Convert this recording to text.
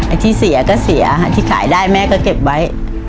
ที่เสียก็เสียที่ขายได้แม่ก็เก็บไว้